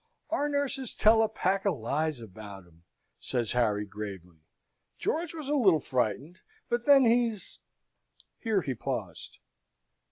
Our nurses tell a pack of lies about 'em," says Harry, gravely. "George was a little frightened; but then he's " Here he paused.